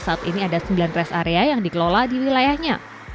saat ini ada sembilan rest area yang dikelola di wilayahnya